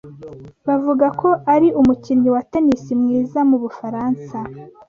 Bavuga ko ari umukini wa tennis mwiza mu Bufaransa.